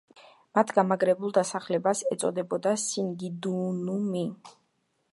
მათ გამაგრებულ დასახლებას ეწოდებოდა სინგიდუნუმი.